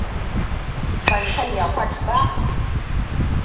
Ban sanya kwat ba.